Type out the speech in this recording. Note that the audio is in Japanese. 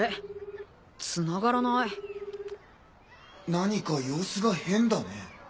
何か様子が変だね。